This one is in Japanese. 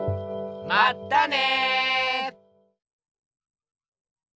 まったね！